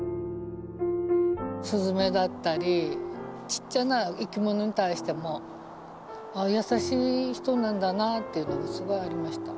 雀だったりちっちゃな生き物に対しても優しい人なんだなっていうのがすごいありました。